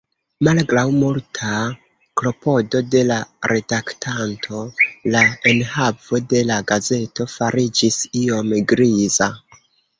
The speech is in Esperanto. Malgraŭ multa klopodo de la redaktanto la enhavo de la gazeto fariĝis iom griza.